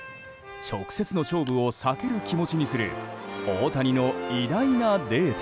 直接の勝負を避ける気持ちにする大谷の偉大なデータ。